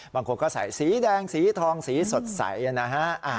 บางคนก็ใส่สีแดงสีทองสีสดใสนะฮะ